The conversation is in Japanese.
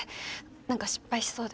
何か失敗しそうで。